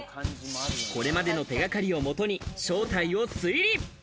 これまでの手掛かりをもとに正体を推理。